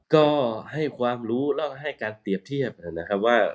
ก็ให้ความรู้แล้วก็ให้การเปรียบเทียบนะครับว่า